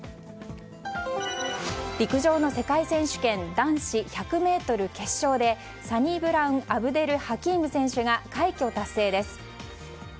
陸上の世界選手権男子１００ｍ決勝でサニブラウン・アブデルハキーム選手が快挙達成です。